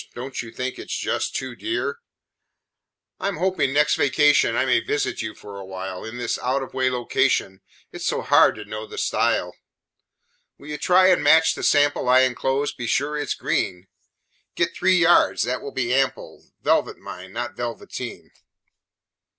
Don't you think it's just too dear? "I am hoping next vacation I may visit you a while. In this out of way location It's so hard to know the style. "Will you try and match the sample I enclose be sure it's green. Get three yards that will be ample. Velvet, mind, not velveteen.